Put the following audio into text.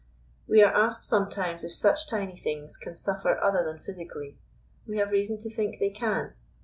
We are asked sometimes if such tiny things can suffer other than physically. We have reason to think they can.